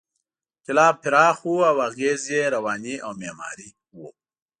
انقلاب پراخ و او اغېز یې رواني او معماري و.